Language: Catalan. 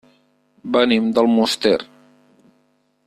Venim d'Almoster.